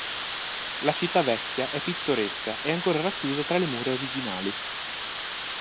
La città vecchia è pittoresca e ancora racchiusa tra le mura originali.